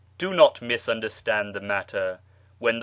Do not misunderstand the matter : when the